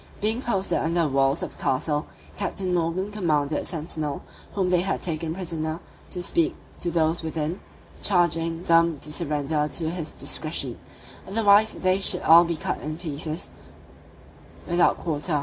Being posted under the walls of the castle, Captain Morgan commanded the sentinel, whom they had taken prisoner, to speak to those within, charging them to surrender to his discretion; otherwise they should all be cut in pieces, without quarter.